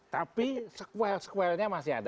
tapi sequel sequelnya masih ada